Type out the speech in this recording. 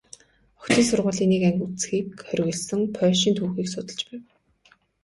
Охидын сургуулийн нэг анги үзэхийг хориглосон польшийн түүхийг судалж байв.